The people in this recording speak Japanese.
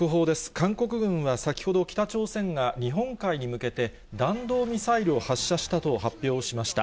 韓国軍は先ほど、北朝鮮が日本海に向けて弾道ミサイルを発射したと発表しました。